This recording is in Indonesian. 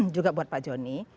juga buat pak joni